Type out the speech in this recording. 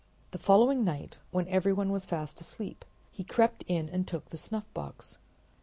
The following night, when everyone was fast asleep, he crept in and took the snuffbox.